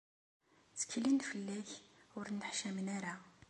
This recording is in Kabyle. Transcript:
Tteklen fell-ak, ur nneḥcamen ara.